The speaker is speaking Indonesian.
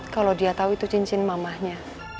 kalau dia tahu itu cincin mamahnya